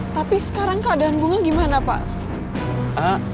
tapi sekarang keadaan bunga gimana pak